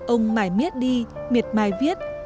ông mải miết đi miệt mải viết